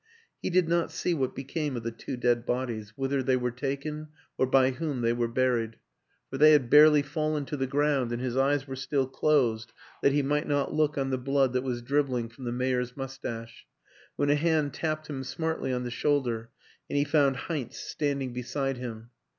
He did not see what became of the two dead bodies whither they were taken or by whom they were buried for they had barely fallen to the ground and his eyes were still closed that he might not look on the blood that was dribbling from the mayor's mustache when a hand tapped him smartly on the shoulder and he found Heinz standing beside him.